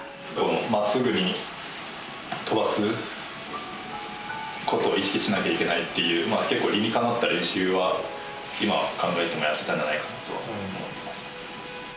真っすぐに飛ばす事を意識しなきゃいけないっていう結構理にかなった練習は今考えてもやってたんじゃないかとは思ってます。